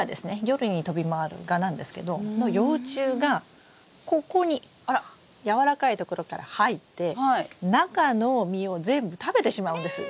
夜に飛び回る蛾なんですけどの幼虫がここにやわらかいところから入って中の実を全部食べてしまうんです。